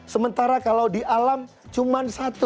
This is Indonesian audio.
sementara kalau di alam cuma satu